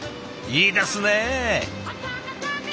いいですね！